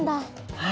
はい。